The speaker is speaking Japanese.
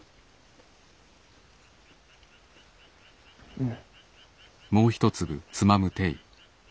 うん。